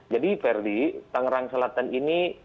jadi verdi tangerang selatan ini pasti merepresentasikan tiga hal